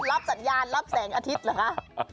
รับสัญญาณรับแสงอาทิตย์เหรอคะ